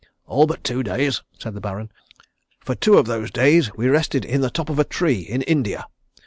"All but two days," said the Baron. "For two of those days we rested in the top of a tree in India.